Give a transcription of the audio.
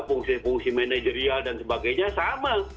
fungsi fungsi manajerial dan sebagainya sama